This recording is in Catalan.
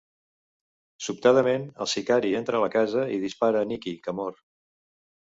Sobtadament, el sicari entra a la casa i dispara a Nicki, que mor.